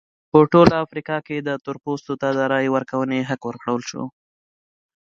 په ټوله افریقا کې تور پوستو ته د رایې ورکونې حق ورکړل شو.